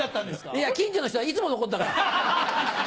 いや近所の人はいつものことだから。